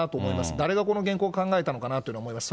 誰がこの原稿を考えたのかなと思います。